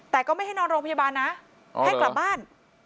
แต่ก็ไม่ให้นอนโรงพยาบาลนะให้กลับบ้าน